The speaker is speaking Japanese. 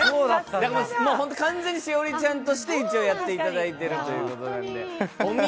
だから完全に栞里ちゃんとしてやっていただいているということなんで。